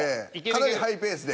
かなりハイペースで。